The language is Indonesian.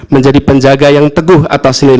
menjadi penjaga yang teguh atas nilai